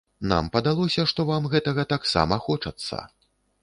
Нам падалося, што вам гэтага таксама хочацца.